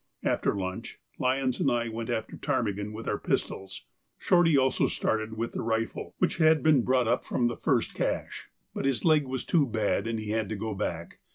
After lunch Lyons and I went after ptarmigan with our pistols; Shorty also started with the rifle which had been brought up from the first cache, but his leg was too bad and he had to go back.